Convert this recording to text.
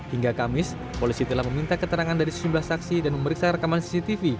hingga kamis polisi telah meminta keterangan dari sejumlah saksi dan memeriksa rekaman cctv